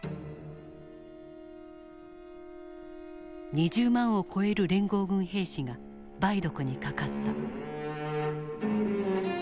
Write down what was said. ２０万を超える連合軍兵士が梅毒にかかった。